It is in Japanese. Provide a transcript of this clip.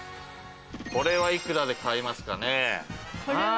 これは幾らで買いますかね。